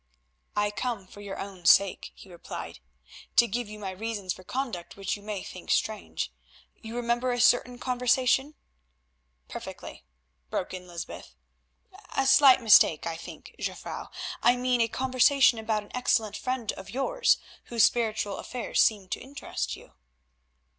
"I come for your own sake," he replied, "to give you my reasons for conduct which you may think strange. You remember a certain conversation?" "Perfectly," broke in Lysbeth. "A slight mistake, I think, Jufvrouw, I mean a conversation about an excellent friend of yours, whose spiritual affairs seem to interest you."